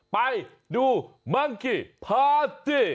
ไปดูมังกี้ปาร์ตี้